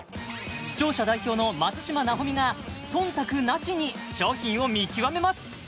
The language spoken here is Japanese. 視聴者代表の松嶋尚美が忖度なしに商品を見極めます